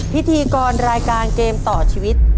พิธีกรรายการเกมต่อชีวิต